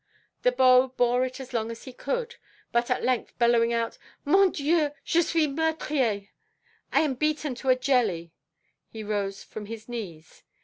The beau bore it as long as he could. But at length bellowing out, "Mon Dîeu, je suis meurtriè, I am beaten to a jelly," he rose from his knees.